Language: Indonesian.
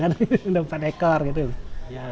kalau tidak dapat saya jual di pasar